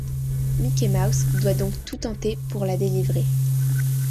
Mickey Mouse doit donc tout tenter pour la délivrer.